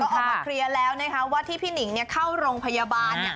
ออกมาเคลียร์แล้วว่าที่พี่หนิงเข้าโรงพยาบาล